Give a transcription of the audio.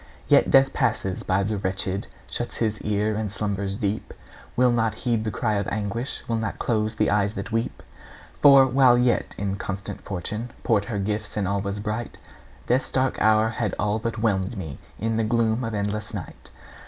Yet Death passes by the wretched, Shuts his ear and slumbers deep; Will not heed the cry of anguish, Will not close the eyes that weep. For, while yet inconstant Fortune Poured her gifts and all was bright, Death's dark hour had all but whelmed me In the gloom of endless night.